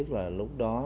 tức là lúc đó